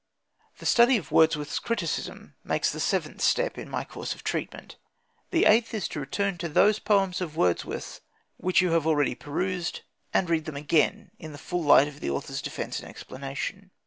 The study of Wordsworth's criticism makes the seventh step in my course of treatment. The eighth is to return to those poems of Wordsworth's which you have already perused, and read them again in the full light of the author's defence and explanation.